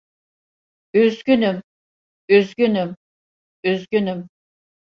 Üzgünüm, üzgünüm, üzgünüm.